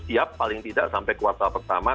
siap paling tidak sampai kuartal pertama